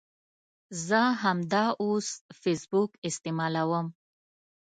زه همداوس فیسبوک استعمالوم